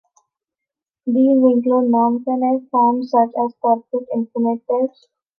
These include non-finite forms such as perfect infinitives.